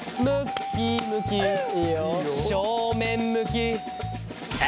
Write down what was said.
正面向きあ！